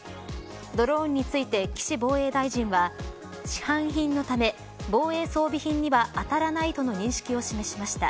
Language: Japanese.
ドローについて岸防衛大臣は、市販品のため防衛装備品にはあたらないとの認識を示しました。